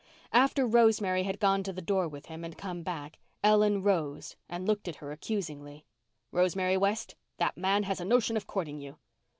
After Rosemary had gone to the door with him and come back Ellen rose and looked at her accusingly. "Rosemary West, that man has a notion of courting you."